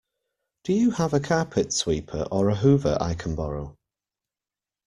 Do you have a carpet sweeper or a Hoover I can borrow?